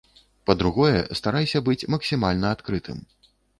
Па-другое, старайся быць максімальна адкрытым.